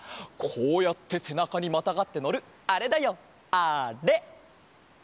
こうやってせなかにまたがってのるあれだよあれ！